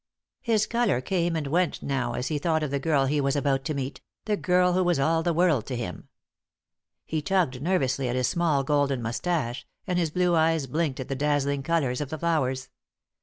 His colour came and went now as he thought of the girl he was about to meet, the girl who was all the world to him. He tugged nervously at his small golden moustache, and his blue eyes blinked at the dazzling colours of the flowers.